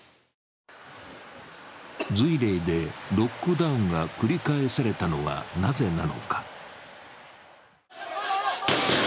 瑞麗でロックダウンが繰り返されたのはなぜなのか。